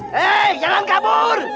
hei jangan kabur